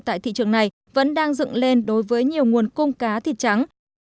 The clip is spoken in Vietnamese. tại thị trường này vẫn đang dựng lên đối với nhiều nguồn cung cá thịt trắng